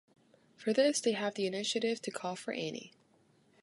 For this, they have the initiative to call for Annie.